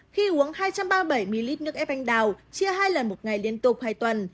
khi uống hai trăm ba mươi bảy ml nước ép anh đào chia hai lần một ngày liên tục hai tuần